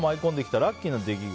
ラッキーな出来事。